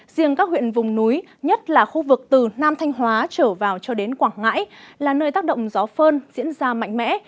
riêng các huyện vùng núi nhất là khu vực từ nam thanh hóa trở vào cho đến quảng ngãi là nơi tác động gió phơn diễn ra mạnh mẽ